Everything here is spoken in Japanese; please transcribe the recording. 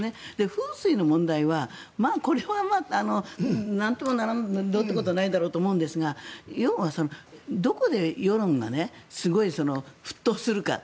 風水の問題は、これはどうってことないと思うんですが要はどこで世論がすごい沸騰するか。